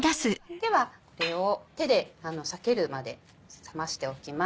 ではこれを手で裂けるまで冷ましておきます。